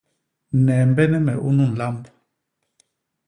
Neembene me unu nlamb.